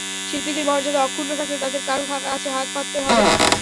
শিল্পীদের মর্যাদা অক্ষুণ্ন থাকলে তাঁদের কারও কাছে হাত পাততে হবে না।